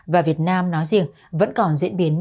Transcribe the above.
và việt nam nói riêng vẫn còn diễn biến